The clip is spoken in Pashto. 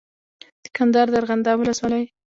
د کندهار د ارغنداب ولسوالۍ